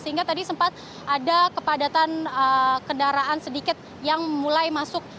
sehingga tadi sempat ada kepadatan kendaraan sedikit yang mulai masuk